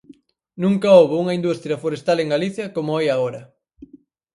Nunca houbo unha industria forestal en Galicia como hai agora.